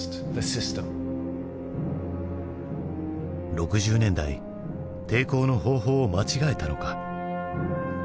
６０年代抵抗の方法を間違えたのか？